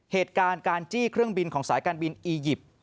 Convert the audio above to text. เหตุการณ์การจี้เครื่องบินของสายการบินอียิปต์